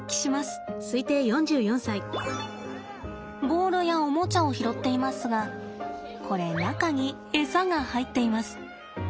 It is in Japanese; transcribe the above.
ボールやおもちゃを拾っていますがこれ中にエサが入っています。